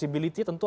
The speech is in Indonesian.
tidak tidak tidak